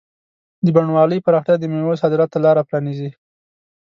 د بڼوالۍ پراختیا د مېوو صادراتو ته لاره پرانیزي.